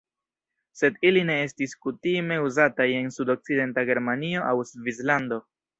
Sed ili ne estis kutime uzataj en sudokcidenta Germanio aŭ Svislando.